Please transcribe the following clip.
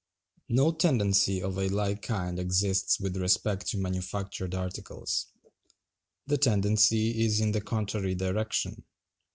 No tendency of a like kind exists with respect to manufactured articles. The tendency is in the contrary direction.